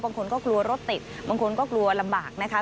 บางคนก็กลัวรถติดบางคนก็กลัวลำบากนะคะ